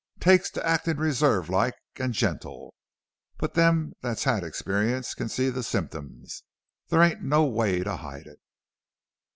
Takes to actin' reserved like an' gentle. But them that's had experience can see the symptoms. There ain't no way to hide it."